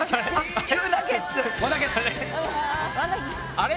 あれ？